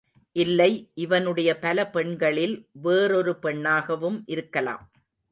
இல்லை இவனுடைய பல பெண்களில் வேறொரு பெண்ணாகவும் இருக்கலாம்.